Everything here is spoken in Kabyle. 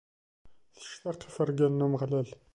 Tectaq ifergan n Umeɣlal.